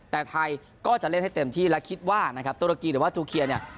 แต่ไทยก็จะเล่นให้เต็มที่และคิดว่านะครับตุรกีหรือว่าจูเคียเนี่ย